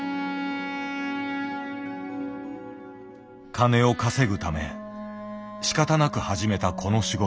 金を稼ぐためしかたなく始めたこの仕事。